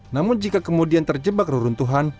namun jika kemudian terjebak reruntuhan